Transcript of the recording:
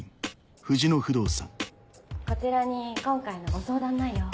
こちらに今回のご相談内容を。